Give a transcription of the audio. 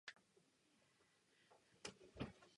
Do čela se tak dostal Niki Lauda a vedení si udržel až do cíle.